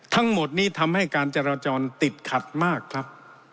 ทั้งหมดนี้ทำให้การจราจรติดขัดมากครับ